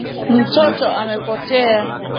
Mtoto amepotea